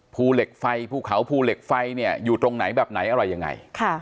ภูเหล็กไฟภูเขาภูเหล็กไฟเนี่ยอยู่ตรงไหนแบบไหนอะไรยังไง